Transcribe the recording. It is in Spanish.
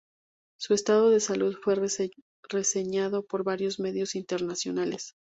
Su estado de salud fue reseñado por varios medios internacionales.